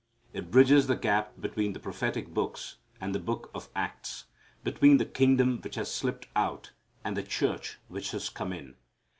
It bridges the gap between the prophetic books and the book of Acts, between the kingdom which has slipped out and the church which has come in.